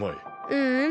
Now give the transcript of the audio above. ううん。